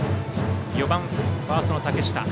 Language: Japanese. ４番ファーストの竹下。